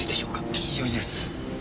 吉祥寺です。